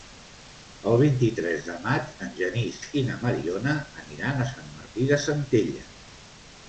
El vint-i-tres de maig en Genís i na Mariona aniran a Sant Martí de Centelles.